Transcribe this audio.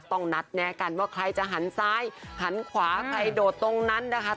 ต้องนัดแนะกันว่าใครจะหันซ้ายหันขวาใครโดดตรงนั้นนะคะ